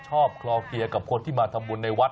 คลอเคลียร์กับคนที่มาทำบุญในวัด